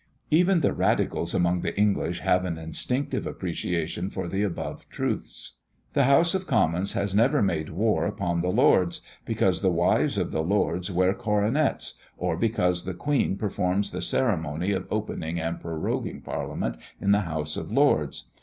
Even the radicals among the English have an instinctive appreciation of the above truths. The House of Commons has never made war upon the Lords, because the wives of the Lords wear coronets, or because the Queen performs the ceremony of opening and proroguing parliament in the House of Lords.